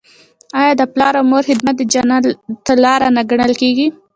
آیا د پلار او مور خدمت د جنت لاره نه ګڼل کیږي؟